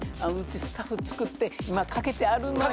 スタッフ作ってかけてあるのよ。